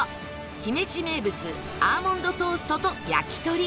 姫路名物アーモンドトーストと焼き鳥